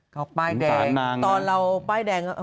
ก็ป้ายแล้วใช่ตอนเราป้ายแดง